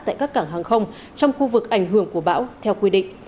tại các cảng hàng không trong khu vực ảnh hưởng của bão theo quy định